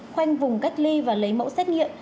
khoanh vùng cách ly và lấy mẫu xét nghiệm